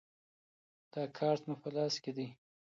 دا کارت مو په لاس کې دی.